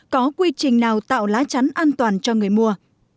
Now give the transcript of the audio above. có quy trình nào tạo lá chắn an toàn cho người mua